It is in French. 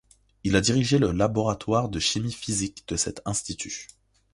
Il a dirigé le laboratoire de chimie physique de cet institut.